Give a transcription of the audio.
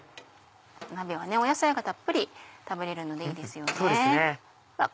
鍋は野菜がたっぷり食べれるのでいいですよね。